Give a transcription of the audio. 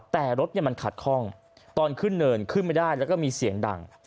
แต่รถมันขัดคล่องตอนขึ้นเนินขึ้นไม่ได้แล้วก็มีเสียงดัง